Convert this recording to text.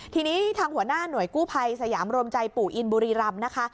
ทีนี้ทางหัวหน้าหน่วยกู้ภัยสยามรวมใจปู่อินบุรีรำนะคะ